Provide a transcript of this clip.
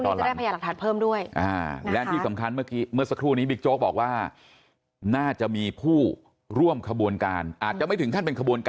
ตอนล่ามพรุ่งดีจะได้ขยายหลักฐานเพิ่มด้วย